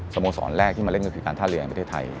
โมสรแรกที่มาเล่นก็คือการท่าเรือแห่งประเทศไทย